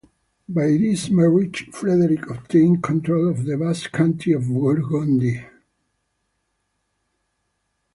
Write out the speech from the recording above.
By this marriage Frederick obtained control of the vast county of Burgundy.